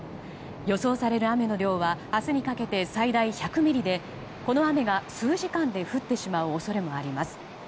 予想される雨の量は明日にかけて最大１００ミリでこの雨が数時間で降ってしまう恐れもあります。